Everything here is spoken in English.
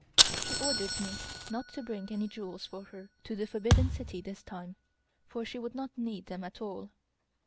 She ordered me not to bring any jewels for her to the Forbidden City this time, for she would not need them at all.